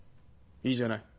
いいじゃない。